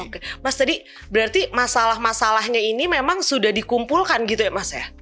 oke mas tadi berarti masalah masalahnya ini memang sudah dikumpulkan gitu ya mas ya